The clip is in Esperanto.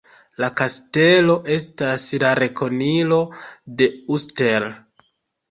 La kastelo estas la rekonilo de Uster.